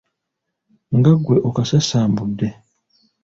Nga ggwe okasasambudde.